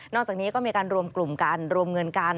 อกจากนี้ก็มีการรวมกลุ่มกันรวมเงินกัน